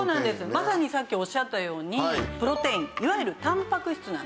まさにさっきおっしゃったようにプロテインいわゆるたんぱく質なんですね。